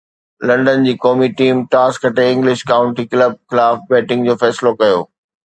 London جي قومي team toss کٽي انگلش ڪائونٽي ڪلب خلاف بيٽنگ جو فيصلو ڪيو